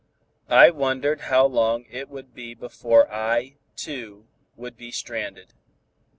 I wondered how long it would be before I, too, would be stranded.